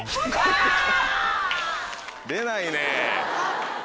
出ないね。